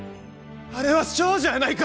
あれは少女やないか！